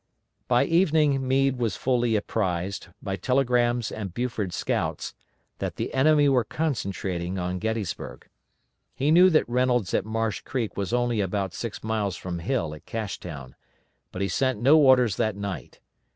By evening Meade was fully apprised, by telegrams and Buford's scouts, that the enemy were concentrating on Gettysburg. He knew that Reynolds at Marsh Creek was only about six miles from Hill at Cashtown, but he sent no orders that night.